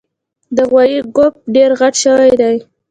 د غوایي ګوپ ډېر غټ شوی دی